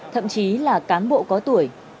thậm chí là cán bộ có tuổi